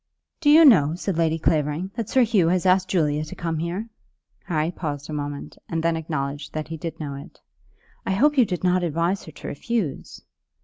"Do you know," said Lady Clavering, "that Sir Hugh has asked Julia to come here?" Harry paused a moment, and then acknowledged that he did know it. "I hope you did not advise her to refuse."